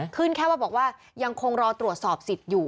แค่ว่าบอกว่ายังคงรอตรวจสอบสิทธิ์อยู่